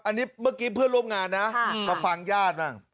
อันนี้เมื่อกี้เพื่อนร่วมงานนะมาฟังญาติบ้าง